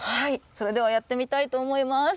それではやってみたいと思います。